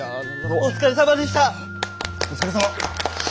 お疲れさま。